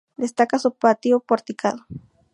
Destaca su patio porticado.